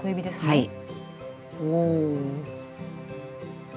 はい。